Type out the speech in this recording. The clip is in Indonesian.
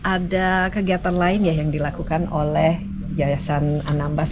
ada kegiatan lain ya yang dilakukan oleh yayasan anambas